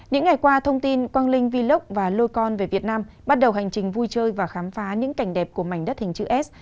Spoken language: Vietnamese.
những ngày qua thông tin quang linh vlog và lôi con về việt nam bắt đầu hành trình vui chơi và khám phá những cảnh đẹp của mảnh đất hình chữ s